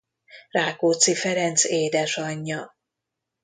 Rákóczi Ferenc édesanyja.